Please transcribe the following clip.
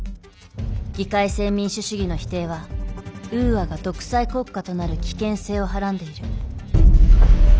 議会制民主主義の否定はウーアが独裁国家となる危険性をはらんでいる。